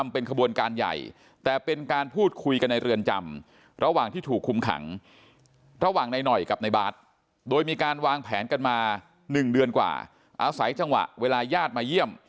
แผนกันมา๑เดือนกว่าอาศัยจังหวะเวลาญาติมาเยี่ยม